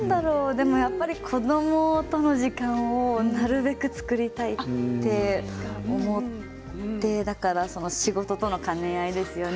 でも、やっぱり子どもとの時間をなるべく作りたいと思って、だから仕事との兼ね合いですよね